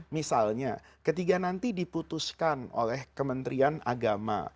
misalnya ketiga nanti diputuskan oleh kementrian agama